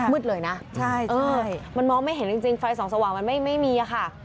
เลยนะใช่มันมองไม่เห็นจริงไฟสองสว่างมันไม่มีค่ะ